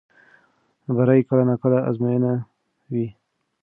بری کله ناکله ازموینه وي.